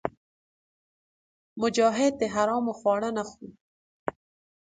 مجاهد د حرامو خواړه نه خوري.